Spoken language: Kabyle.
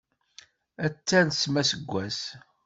Ad talsem aseggas!